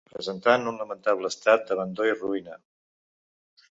Presentant un lamentable estat d'abandó i ruïna.